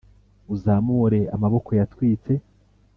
uzamure amaboko yatwitse;